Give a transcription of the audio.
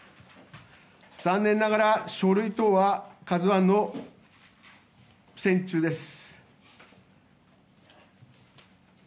残念ながら書類等は「ＫＡＺＵ１」の船中です。